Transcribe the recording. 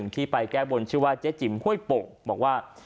ที่ไปแก้บนชื่อว่าเจ๊จิ๋มห้วยโป่งบอกว่า